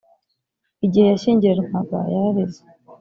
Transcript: igihe yashyingiranwaga yararize.